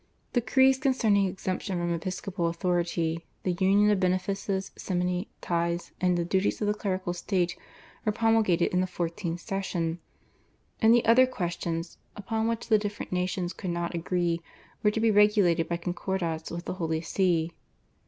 Decrees concerning exemption from episcopal authority, the union of benefices, simony, tithes, and the duties of the clerical state were promulgated in the fourteenth session, and the other questions, upon which the different nations could not agree, were to be regulated by Concordats with the Holy See.